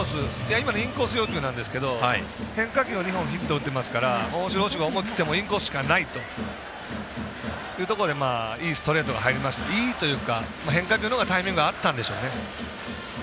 今のインコース要求なんですけど変化球を２本ヒット打ってますから大城捕手が思い切ってインコースしかないというところでいいストレートが入って変化球の方がタイミングが合ったんでしょうね。